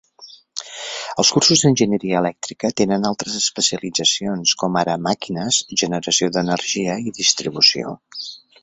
Els cursos d'enginyeria "elèctrica" tenen altres especialitzacions, com ara màquines, generació d'energia i distribució.